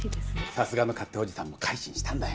さすがの勝手おじさんも改心したんだよ